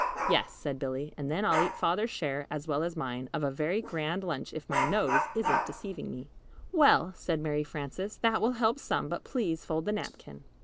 "Yes," said Billy, "and then I'll eat Father's share, as well as mine, of a very 'grand' lunch if my nose isn't deceiving me." "Well," said Mary Frances, "that will help some; but please fold the napkin."